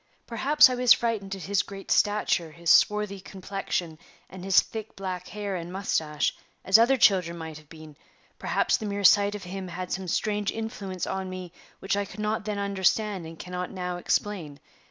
Perhaps I was frightened at his great stature, his swarthy complexion, and his thick black hair and mustache, as other children might have been; perhaps the mere sight of him had some strange influence on me which I could not then understand and cannot now explain.